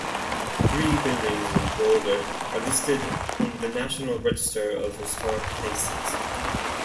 Three buildings in Boulder are listed on the National Register of Historic Places.